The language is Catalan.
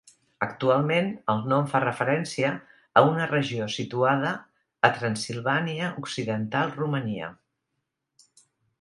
Actualment, el nom fa referència a una regió situada a Transsilvània occidental, Romania.